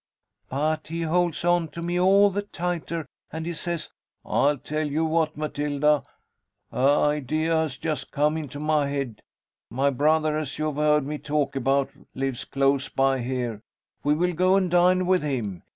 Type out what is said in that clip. But he holds on to me all the tighter, and he says, 'I tell you what, Matilda, a idea has just come into my head 'My brother, as you have heard me talk about, lives close by here, we will go and dine with him.